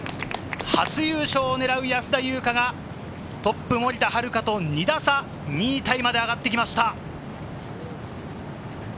初優勝を狙う安田祐香が、トップ・森田遥と２打差、２位タイまで上がってきました。